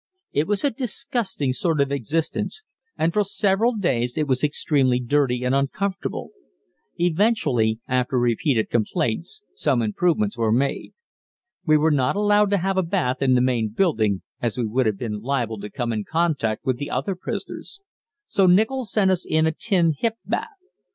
It was a disgusting sort of existence, and for several days it was extremely dirty and uncomfortable. Eventually, after repeated complaints, some improvements were made. We were not allowed to have a bath in the main building, as we would have been liable to come in contact with the other prisoners; so Nichol sent us in a tin hip bath.